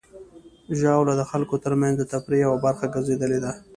ژاوله د خلکو ترمنځ د تفریح یوه برخه ګرځېدلې ده.